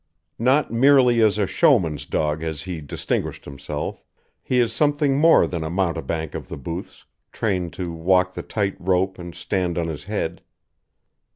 Not merely as a showman's dog has he distinguished himself. He is something more than a mountebank of the booths, trained to walk the tight rope and stand on his head.